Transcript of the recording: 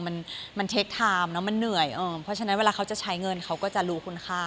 มันมันเทคไทม์แล้วมันเหนื่อยเพราะฉะนั้นเวลาเขาจะใช้เงินเขาก็จะรู้คุณค่า